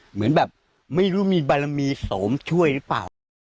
เหมือนแบบไม่รู้มีบารมีโสมช่วยหรือเปล่า